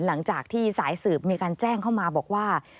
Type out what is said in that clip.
หลังจากที่สายสืบมีการแจ้งเข้ามาบอกว่า